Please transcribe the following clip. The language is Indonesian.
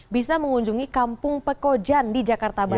bisa mengunjungi kampung pekojan di jakarta barat